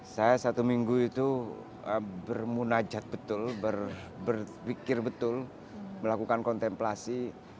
saya satu minggu itu bermunajat betul berpikir betul melakukan kontemplasi